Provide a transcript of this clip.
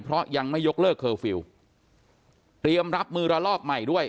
เพราะยังไม่ยกเลิกเคอร์ฟิลล์เตรียมรับมือระลอกใหม่ด้วย